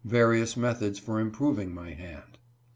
115 various methods for improving my hand.